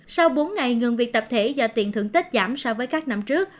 sau bốn ngày ngừng việc tập thể do tiền thượng tết giảm so với các năm trước